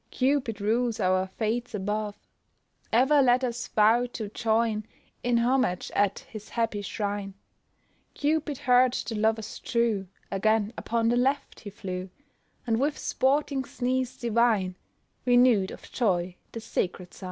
Cupid rules our fates above, Ever let us vow to join In homage at his happy shrine." Cupid heard the lovers true, Again upon the left he flew, And with sporting sneeze divine, Renew'd of joy the sacred sign!